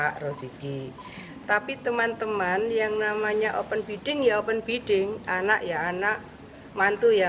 pak roziki tapi teman teman yang namanya open bidding ya open bidding anak ya anak mantu ya